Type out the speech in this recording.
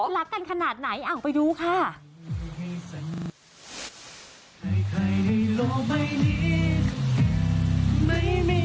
รักกันขนาดไหนไปดูค่ะ